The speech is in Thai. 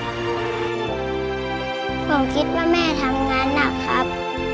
ผมคิดว่าแม่ทำงานหนักครับ